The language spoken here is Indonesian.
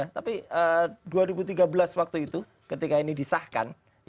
tapi dua ribu tiga belas waktu itu ketika ini disahkan